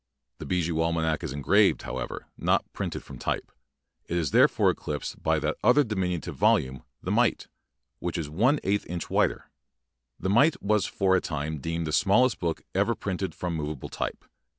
The "Bijou Almanack" is engraved, however, and not printed from type. It is therefore eclipsed by that other diminutive volume "The Mite", which is one eighth inch wider. "The Mite" was for a time deemed the smallest book ever printed from movable type.